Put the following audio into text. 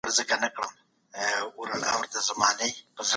استازي به د ملي مسايلو په اړه بحث وکړي.